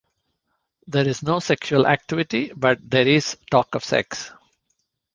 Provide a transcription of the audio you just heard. There is no sexual activity, but there is talk of sex.